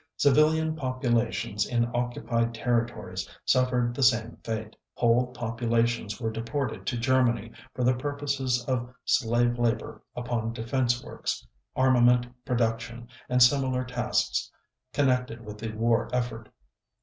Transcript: Civilian populations in occupied territories suffered the same fate. Whole populations were deported to Germany for the purposes of slave labor upon defense works, armament production, and similar tasks connected with the war effort.